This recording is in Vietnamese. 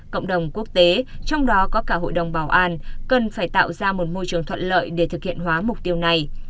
cộng đồng quốc tế trong đó có cả hội đồng bảo an cần phải tạo ra một môi trường thuận lợi để thực hiện hóa mục tiêu này